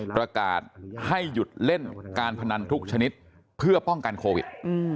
ประกาศให้หยุดเล่นการพนันทุกชนิดเพื่อป้องกันโควิด